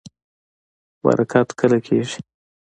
برکت کله کیږي؟